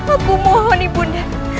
aku mohon ibunda